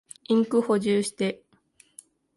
インク補充して。